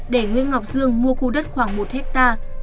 để nguyễn ngọc dương mua khu đất khoảng một hectare